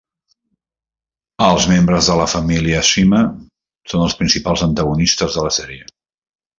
Els membres de la família Psyma són els principals antagonistes de la sèrie.